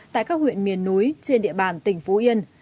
tại các huyện miền núi trên địa bàn tỉnh phú yên